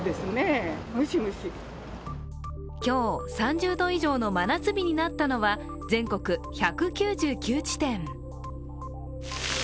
今日、３０度以上の真夏日になったのは、全国１９９地点。